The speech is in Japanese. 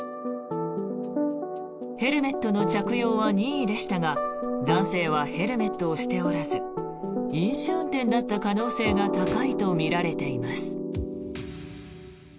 ヘルメットの着用は任意でしたが男性はヘルメットをしておらず飲酒運転だった可能性が高いとみられています。